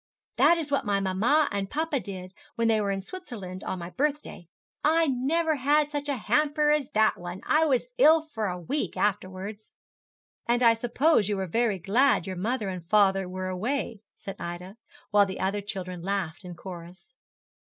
'That is what my mamma and papa did, when they were in Switzerland, on my birthday. I never had such a hamper as that one. I was ill for a week afterwards.' 'And I suppose you were very glad your mother and father were away,' said Ida, while the other children laughed in chorus.